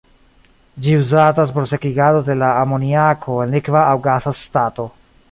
Ĝi uzatas por sekigado de la amoniako en likva aŭ gasa stato.